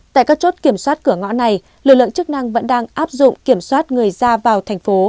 tại các chốt kiểm soát cửa ngõ này lực lượng chức năng vẫn đang áp dụng kiểm soát người ra vào thành phố